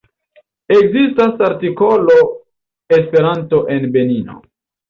Ekzistas artikolo Esperanto en Benino.